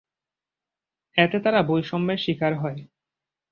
এতে তারা বৈষম্যের শিকার হয়।